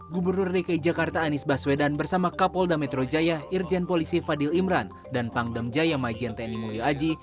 gubernur rki jakarta anies baswedan bersama kapolda metro jaya irjen polisi fadil imran dan pangdam jaya majenteni mulya aji